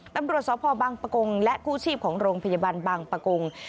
ตำรวจสพบังปะกงและกู้ชีพของโรงพยาบาลบางปะกง